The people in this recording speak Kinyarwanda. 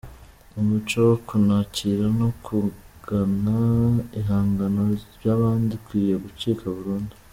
Umuco wo kunakira no kwigana ibihangano by’abandi ukwiye gucika burundu